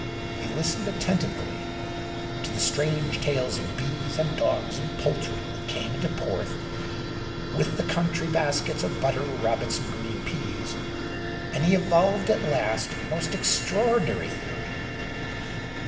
He listened attentively to the strange tales of bees and dogs and poultry that came into Porth with the country baskets of butter, rabbits, and green peas; and he evolved at last a most extraordinary theory.